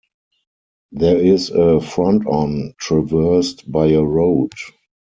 There is a Fronton traversed by a road.